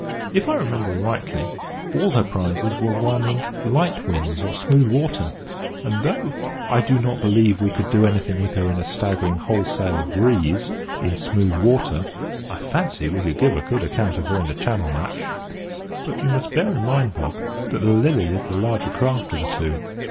If I remember rightly, all her prizes were won in light winds or smooth water; and though I do not believe we could do anything with her in a staggering whole sail breeze in smooth water, I fancy we could give a good account of her in a Channel match. But you must bear in mind, Bob, that the Lily is the larger craft of the two."